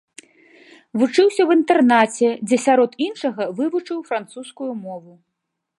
Вучыўся ў інтэрнаце, дзе, сярод іншага, вывучыў французскую мову.